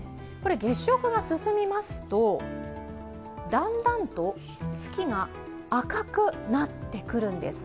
月食が進みますと、だんだんと月が赤くなってくるんです。